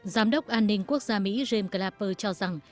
giám đốc an ninh quốc gia mỹ james klaper cho rằng